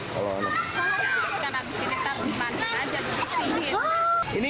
karena disini kita main aja disini